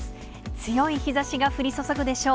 強い日ざしが降り注ぐでしょう。